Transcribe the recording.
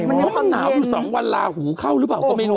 เพราะมันหนาวอยู่๒วันลาหูเข้าหรือเปล่าก็ไม่รู้